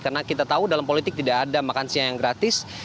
karena kita tahu dalam politik tidak ada makansinya yang gratis